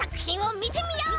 みてみよう！